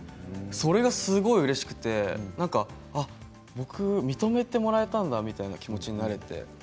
それが、すごいうれしくて僕、認めてもらえたんだみたいな気持ちになれて。